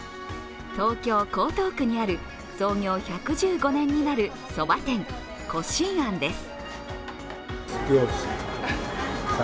東京・江東区にある創業１１５年になるそば店、小進庵です。